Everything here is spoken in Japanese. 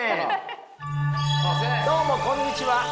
どうもこんにちは。